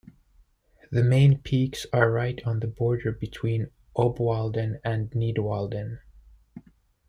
The main peaks are right on the border between Obwalden and Nidwalden.